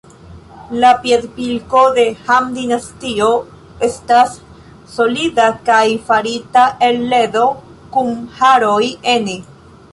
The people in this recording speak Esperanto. La piedpilko de Han-dinastio estas solida kaj farita el ledo kun haroj ene.